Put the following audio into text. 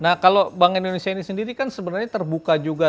nah kalau bank indonesia ini sendiri kan sebenarnya terbuka juga